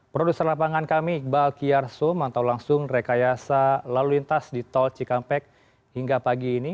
produser lapangan kami iqbal kiyarso mantau langsung rekayasa lalu lintas di tol cikampek hingga pagi ini